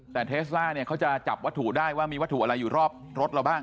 แต่เทสล่าเนี่ยเขาจะจับวัตถุได้ว่ามีวัตถุอะไรอยู่รอบรถเราบ้าง